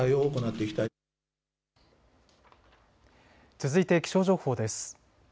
続いて気象情報です。